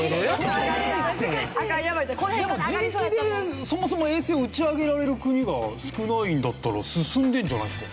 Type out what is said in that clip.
でも自力でそもそも衛星を打ち上げられる国が少ないんだったら進んでるんじゃないんですか？